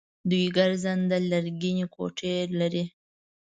دوی ګرځنده لرګینې کوټې لري.